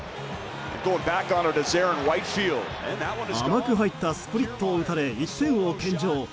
甘く入ったスプリットを打たれ１点を献上。